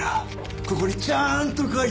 ここにちゃーんと書いてある。